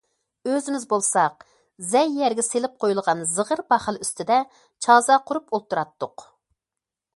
ئۆزىمىز بولساق، زەي يەرگە سېلىپ قويۇلغان زىغىر پاخىلى ئۈستىدە چازا قۇرۇپ ئولتۇراتتۇق.